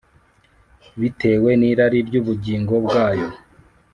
bitewe n irari ry ubugingo bwayo